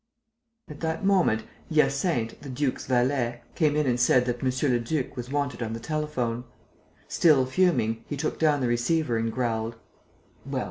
At that moment, Hyacinthe, the duke's valet, came in and said that monsieur le duc was wanted on the telephone. Still fuming, he took down the receiver and growled: "Well?